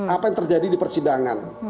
apa yang terjadi di persidangan